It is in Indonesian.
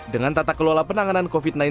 dengan tata kelola penanganan covid sembilan belas